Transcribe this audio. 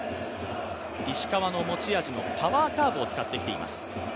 石川の持ち味のパワーカーブを使ってきています。